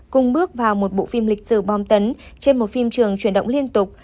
cùng bước vào một bộ phim lịch sử bom tấn trên một phim trường chuyển động liên tục